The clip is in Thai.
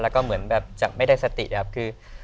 แล้วก็เหมือนแบบจากไม่ได้สติครับคือ